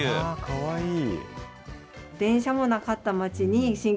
かわいい。